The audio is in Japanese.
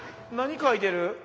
何書いてる？